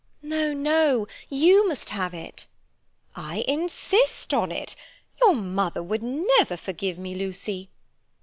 "No, no. You must have it." "I insist on it. Your mother would never forgive me, Lucy."